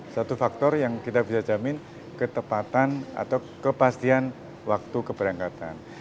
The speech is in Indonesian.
satu faktor yang kita bisa jamin ketepatan atau kepastian waktu keberangkatan